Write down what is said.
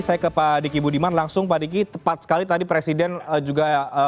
saya ke pak diki budiman langsung pak diki tepat sekali tadi presiden juga